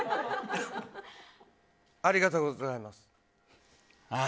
ありがとうございます。